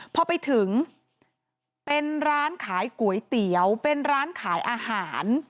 พอไปถึงเป็นร้านขายก๋วยเตี๋ยวเป็นร้านขายอาหาร